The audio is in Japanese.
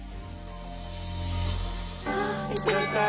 いってらっしゃい。